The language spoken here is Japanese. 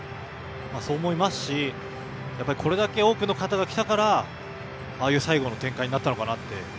そう思いますしこれだけ多くの方が来たからああいう最後の展開になったのかなって。